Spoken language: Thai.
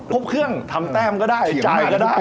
พบเครื่องทำแต้มก็ได้จ่ายก็ได้